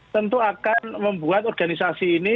tentu akan membuat organisasi ini